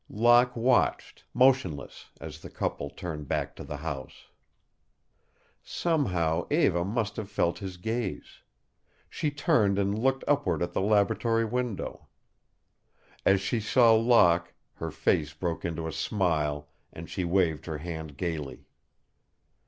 Locke watched, motionless, as the couple turned back to the house. Somehow Eva must have felt his gaze. She turned and looked upward at the laboratory window. As she saw Locke her face broke into a smile and she waved her hand gaily.